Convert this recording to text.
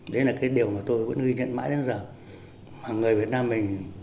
xin chào và hẹn gặp lại